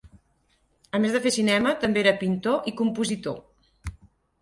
A més de fer cinema, també era pintor i compositor.